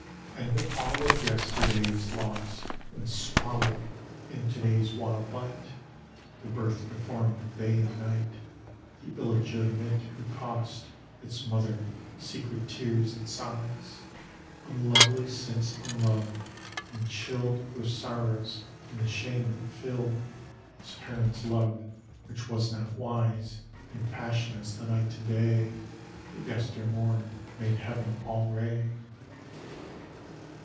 And all of yesterday is lost And swallowed in to day's wild light The birth deformed of day and night, The illegitimate, who cost Its mother secret tears and sighs; Unlovely since unloved; and chilled With sorrows and the shame that filled Its parents' love; which was not wise In passion as the night and day That yestermorn made heaven all ray.